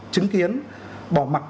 chứng kiến bỏ mặc